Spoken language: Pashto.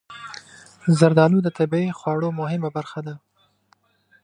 زردالو د طبعي خواړو مهمه برخه ده.